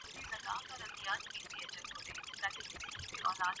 گر اس مضمون کو آپ نے کچھ دیر قبل بنایا ہے اور ابھی ظاہر نہیں ہو رہا ہے